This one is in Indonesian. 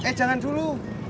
eh jangan dulu